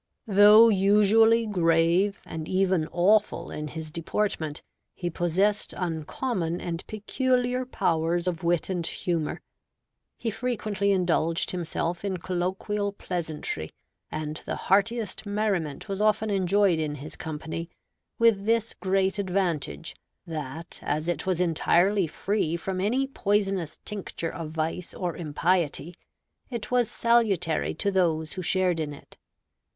Though usually grave and even awful in his deportment, he possessed uncommon and peculiar powers of wit and humor; he frequently indulged himself in colloquial pleasantry; and the heartiest merriment was often enjoyed in his company, with this great advantage, that as it was entirely free from any poisonous tincture of vice or impiety, it was salutary to those who shared in it.